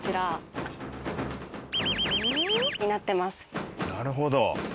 なるほど。